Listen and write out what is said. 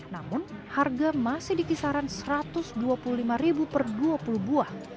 namun harga masih di kisaran rp satu ratus dua puluh lima per dua puluh buah